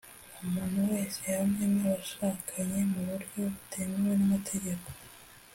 umuntu wese, hamwe n’abashakanye mu buryo butemewe n’amategeko,